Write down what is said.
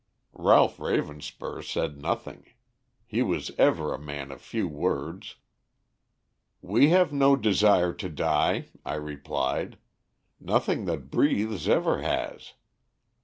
"Ralph Ravenspur said nothing. He was ever a man of few words. "'We have no desire to die,' I replied. 'Nothing that breathes ever has.